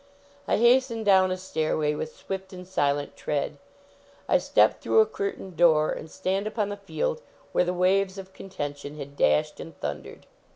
I has ten down a stairway with swift and silent tread. I step through a curtained door and stand upon the held where the waves of con tention had dashed and thundered.